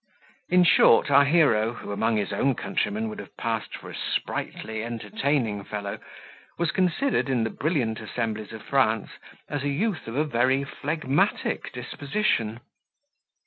In short, our hero, who among his own countrymen would have passed for a sprightly, entertaining fellow, was considered in the brilliant assemblies of France as a youth of a very phlegmatic disposition.